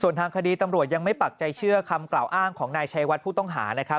ทางคดีตำรวจยังไม่ปักใจเชื่อคำกล่าวอ้างของนายชัยวัดผู้ต้องหานะครับ